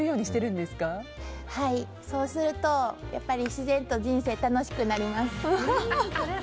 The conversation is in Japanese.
そうすると、やっぱり自然と人生楽しくなります。